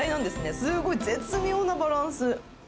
すごい絶妙なバランス。